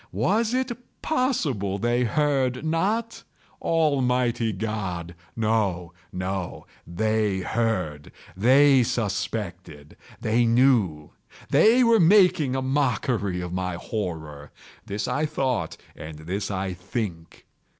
Was it possible they heard not? Almighty God!—no, no! They heard!—they suspected!—they knew!—they were making a mockery of my horror!—this I thought, and this I think.